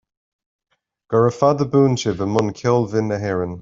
Gura fada buan sibh i mbun cheoil bhinn na hÉireann.